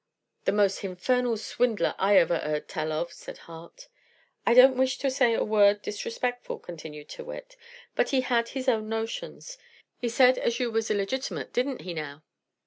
"The most hinfernal swindler I ever 'eard tell of!" said Hart. "I don't wish to say a word disrespectful," continued Tyrrwhit, "but he had his own notions. He said as you was illegitimate, didn't he, now?"